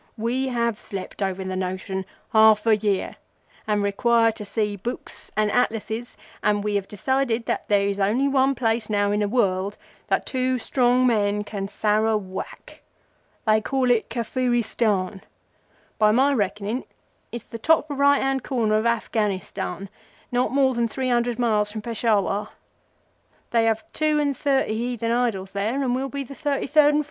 "We have slept over the notion half a year, and require to see Books and Atlases, and we have decided that there is only one place now in the world that two strong men can Sar a whack. They call it Kafiristan. By my reckoning its the top right hand corner of Afghanistan, not more than three hundred miles from Peshawar. They have two and thirty heathen idols there, and we'll be the thirty third.